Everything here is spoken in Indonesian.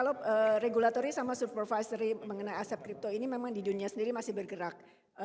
kalau regulatory sama surpriory mengenai aset kripto ini memang di dunia sendiri masih bergerak